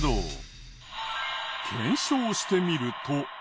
検証してみると。